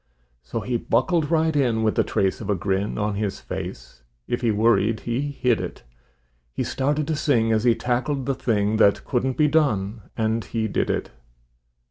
So he buckled right in with the trace of a grin On his face. If he worried he hid it. He started to sing as he tackled the thing That couldn't be done, and he did it.